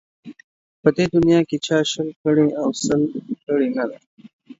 په دې دنیا کې چا شل کړي او سل کړي نه ده